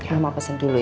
mama pesen dulu ya